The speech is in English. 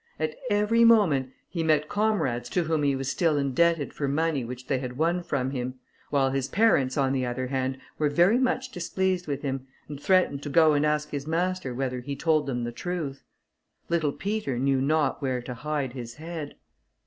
At every moment, he met comrades to whom he was still indebted, for money which they had won from him, while his parents, on the other hand, were very much displeased with him, and threatened to go and ask his master whether he told them the truth. Little Peter knew not where to hide his head.